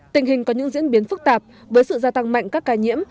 tình hình có những diễn biến phức tạp với sự gia tăng mạnh các ca nhiễm